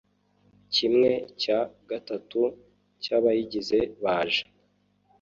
kimwe cya gatatu cy’abayigize baje